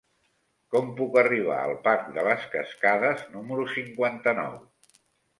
Com puc arribar al parc de les Cascades número cinquanta-nou?